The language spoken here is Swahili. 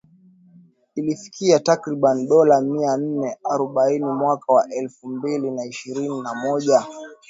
lilifikia takriban dola mia nane arobaini mwaka wa elfu mbili na ishirini na moja na